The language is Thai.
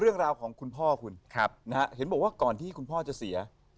เรื่องราวของคุณพ่อคุณครับนะฮะเห็นบอกว่าก่อนที่คุณพ่อจะเสีย